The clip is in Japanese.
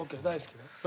大好きね。